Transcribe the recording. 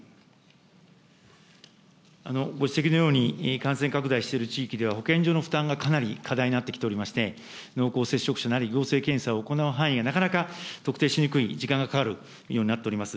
ご指摘のように、感染拡大している地域では、保健所の負担がかなり課題になってきておりまして、濃厚接触者なり、陽性検査を行う範囲がなかなか特定しにくい、時間がかかるようになっております。